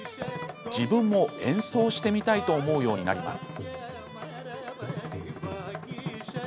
自分も演奏してみたいと思うようになります。